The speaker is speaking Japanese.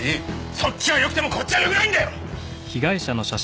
そっちはよくてもこっちはよくないんだよ！